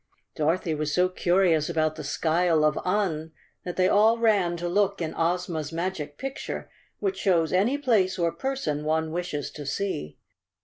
Dorothy was so curious about the 285 The Cowardly Lion of Oz _ Skyle of Un that they all ran to look in Ozma's Magic Picture, which shows any place or person one wishes to see.